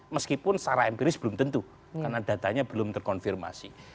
meskipun secara empiris belum tentu karena datanya belum terkonfirmasi